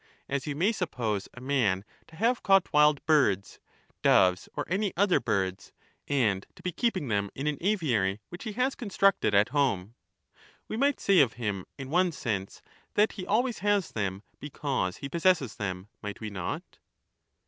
As you may suppose a man to have caught wild birds — doves or any other birds— and to be keeping them in an aviary which he has constructed at home ; we might say of him in one sense, that he always has them because he possesses them, might we not